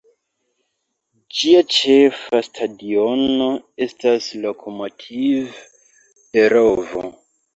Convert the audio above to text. Ĝia ĉefa stadiono estas Lokomotiv-Perovo.